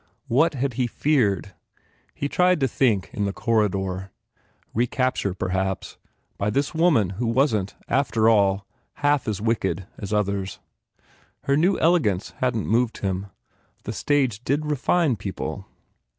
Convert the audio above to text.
What had he feared? He tried to think, in 73 THE FAIR REWARDS the corridor. Recapture, perhaps, by this woman who wasn t, after all, half as wicked as others. Her new elegance hadn t moved him. The stage did refine people!